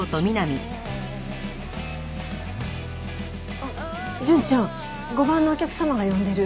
あっ純ちゃん５番のお客様が呼んでる。